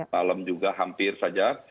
malam juga hampir saja